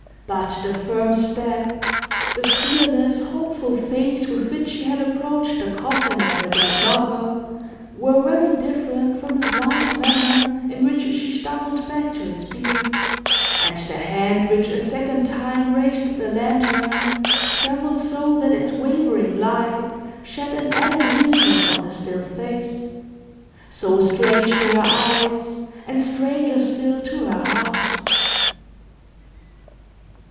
But the firm step, the fearless, hopeful face with which she had approached the coffin of her dead lover were very different from the blind manner in which she stumbled back to his bier, and the hand which a second time raised the lantern trembled so that its wavering light shed an added weirdness on the still face, so strange to her eyes, and stranger still to her heart.